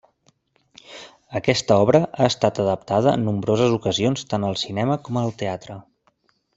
Aquesta obra ha estat adaptada en nombroses ocasions tant al cinema com al teatre.